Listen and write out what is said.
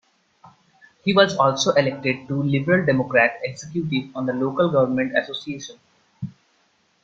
He was also elected to the Liberal Democrat executive on the Local Government Association.